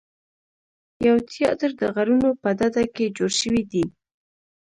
یو تیاتر د غرونو په ډډه کې جوړ شوی دی.